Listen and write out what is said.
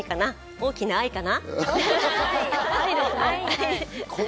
大きな愛かな？